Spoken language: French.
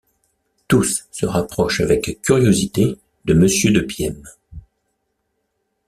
Tous se rapprochent avec curiosité de Monsieur de Pienne.